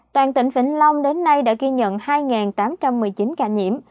toàn tỉnh vĩnh long đến nay đã ghi nhận hai tám trăm một mươi chín ca nhiễm